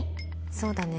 そうだね。